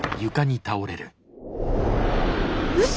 うそ！